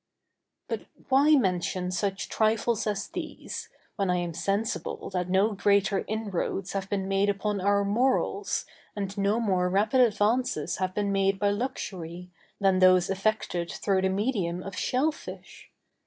But why mention such trifles as these, when I am sensible that no greater inroads have been made upon our morals, and no more rapid advances have been made by luxury, than those effected through the medium of shell fish?